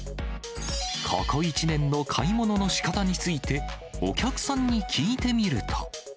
ここ１年の買い物のしかたについて、お客さんに聞いてみると。